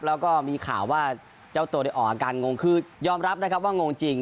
แล้วก็มีข่าวว่าเจ้าตัวได้ออกอาการงงคือยอมรับนะครับว่างงจริง